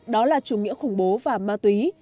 đó là chủ nghĩa khủng bố và ma túy